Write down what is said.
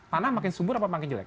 tanah makin subur apa makin jelek